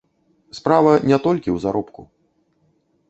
Справа не толькі ў заробку.